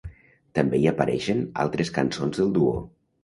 També hi apareixen altres cançons del duo.